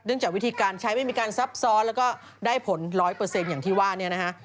จากวิธีการใช้ไม่มีการซับซ้อนแล้วก็ได้ผล๑๐๐อย่างที่ว่าเนี่ยนะฮะ